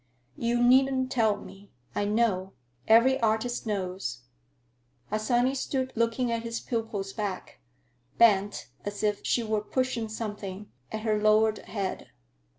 "You needn't tell me. I know. Every artist knows." Harsanyi stood looking at his pupil's back, bent as if she were pushing something, at her lowered head.